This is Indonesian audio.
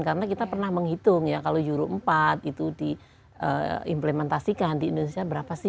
karena kita pernah menghitung ya kalau euro empat itu diimplementasikan di indonesia berapa sih